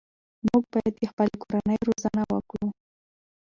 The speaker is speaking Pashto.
موږ باید د خپلې کورنۍ روزنه وکړو.